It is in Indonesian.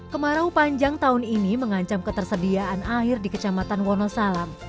kemarau panjang tahun ini mengancam ketersediaan air di kecamatan wonosalam